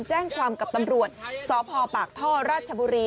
แจ้งความกับตำรวจสพปากท่อราชบุรี